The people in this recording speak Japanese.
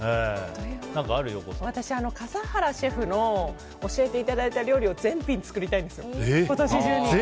私、笠原シェフの教えていただいた料理を全品作りたいです、今年中に。